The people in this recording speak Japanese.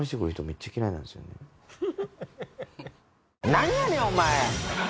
何やねん⁉お前！